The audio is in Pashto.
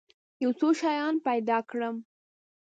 یو څو شیان پیدا کړم.